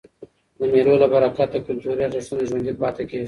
د مېلو له برکته کلتوري ارزښتونه ژوندي پاته کېږي.